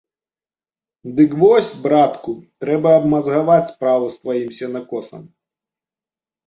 Дык вось, братку, трэба абмазгаваць справу з тваім сенакосам.